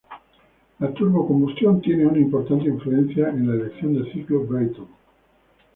La turbo combustión tiene una importante influencia en la elección del ciclo Brayton.